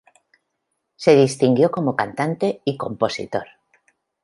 Se distinguió como cantante y compositor.